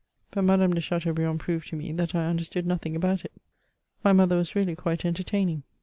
But Madame de Chateaubriand proved to me that I under stood nothing about it : my mother was really quite entertaining.